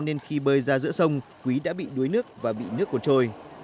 nên khi bơi ra giữa sông quý đã bị đuối nước và bị nước cuốn trôi